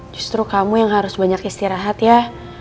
justru kamu yang harus banyak istirahat ya